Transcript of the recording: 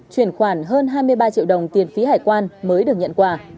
chuyển khoản hơn hai mươi ba triệu đồng tiền phí hải quan mới được nhận quà